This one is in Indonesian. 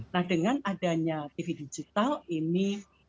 nah dengan adanya tv digital ini